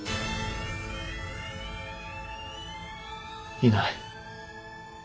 いない。